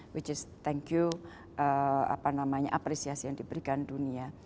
which is thank you apa namanya apresiasi yang diberikan dunia